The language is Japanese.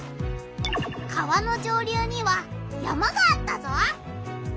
川の上流には山があったぞ！